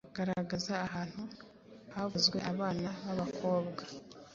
Garagaza ahantu havuzwe abana b’abakobwa